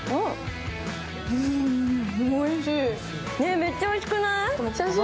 めっちゃおいしくない？